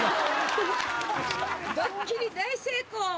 ドッキリ大成功！